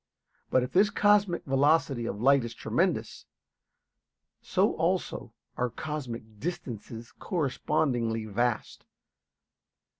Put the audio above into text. But if this cosmic velocity of light is tremendous, so also are cosmic distances correspondingly vast.